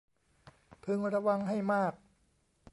พึงระวังให้มาก